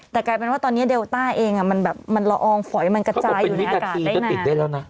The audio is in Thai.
แต่กลายเป็นว่าตอนนี้เดลต้าเองมันแบบมันละอองฝอยมันกระจายอยู่ในอากาศมันก็ติดได้แล้วนะ